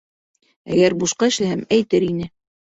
Әгәр бушҡа эшләһәм, әйтер ине...